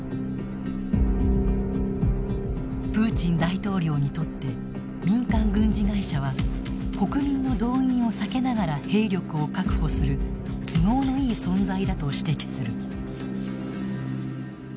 プーチン大統領にとって民間軍事会社は国民の動員を避けながら兵力を確保する都合のいい存在だと指摘する。